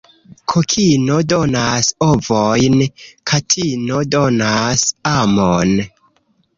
Kokino donas ovojn, katino donas amon.